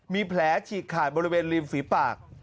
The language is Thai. มีแผลฉีกขาดบริเวณริมฝีปาก